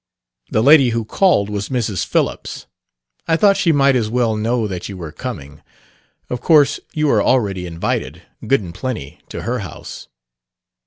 The lady who called was Mrs. Phillips. I thought she might as well know that you were coming. Of course you are already invited, good and plenty, to her house.